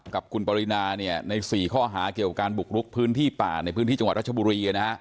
กับคุณปรินาใน๔ข้อหาเกี่ยวกับการบุกลุกพื้นที่ป่าในพื้นที่จังหวัดรัชบุรี